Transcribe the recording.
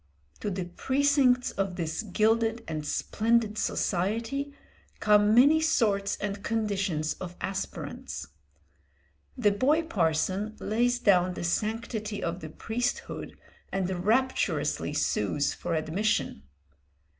To the precincts of this gilded and splendid society come many sorts and conditions of aspirants. The boy parson lays down the sanctity of the priesthood and rapturously sues for admission.